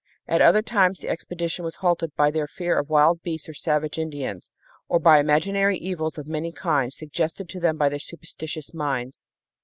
At other times the expedition was halted by their fear of wild beasts or savage Indians, or by imaginary evils of many kinds, suggested to them by their superstitious minds.